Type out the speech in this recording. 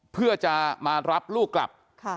เพื่อจะมารับลูกกลับ